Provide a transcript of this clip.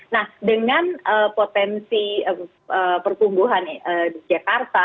nah dengan potensi pertumbuhan jakarta